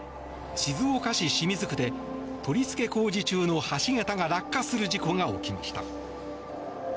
静岡市清水区で取りつけ工事中の橋桁が落下する事故が起きました。